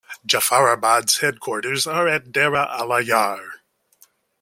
Jafarabad's headquarters are at Dera Allah Yar.